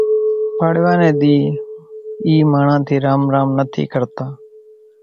پاڙوا ني ۮِي اِي ماڻۿان ٿي رام رام نٿي ڪرتان